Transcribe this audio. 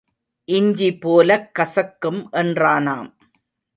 இஞ்சி போலக் கசக்கும் என்றானாம்.